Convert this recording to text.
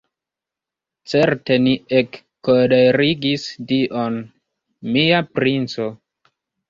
Certe ni ekkolerigis Dion, mia princo.